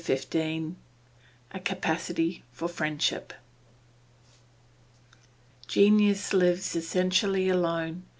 CHAPTER XV CAPACITY FOR FRIENDSHIP Genius lives essentially alone.